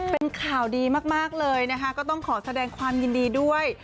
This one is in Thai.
เป็นข่าวดีมากเลยนะคะก็ต้องขอแสดงความยินดีด้วย